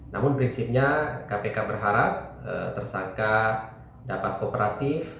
namun prinsipnya kpk berharap tersangka dapat kooperatif